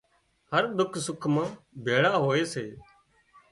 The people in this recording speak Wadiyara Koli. هر ڏک سُک مان ڀيۯان هوئي سي